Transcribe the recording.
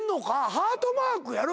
ハートマークやろ？